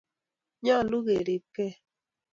nyolu keribgei